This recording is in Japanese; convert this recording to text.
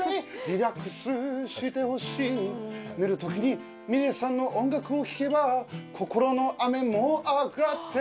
「リラックスしてほしい」「寝る時にｍｉｌｅｔさんの音楽を聴けば」「心の雨も上がって」